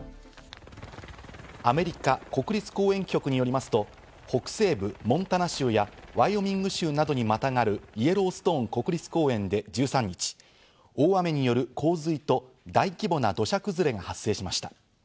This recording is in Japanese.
アメリカ国立公園局によりますと、北西部モンタナ州やワイオミング州などにまたがるイエローストーン国立公園で１３日、大雨による洪水と大規模な土砂崩れが発生しました。